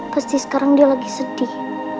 pasti sekarang dia lagi sedih